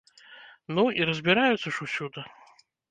Ну, і разбіраюцца ж усюды.